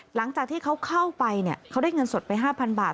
หลังจากที่เขาเข้าไปเขาได้เงินสดไป๕๐๐บาท